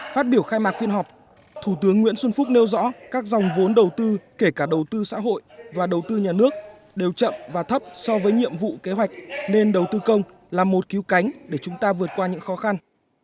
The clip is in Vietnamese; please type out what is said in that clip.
phát biểu khai mạc phiên họp thủ tướng nguyễn xuân phúc nêu rõ các dòng vốn đầu tư kể cả đầu tư xã hội và đầu tư nhà nước đều chậm và thấp so với nhiệm vụ kế hoạch nên đầu tư công là một cứu cánh để chúng ta vượt qua những khó khăn